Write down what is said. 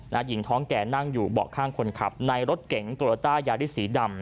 หญิงท้องแก่นั่งอยู่เบาะข้างคนขับในรถเก๋งโตโลต้ายาริสสีดำ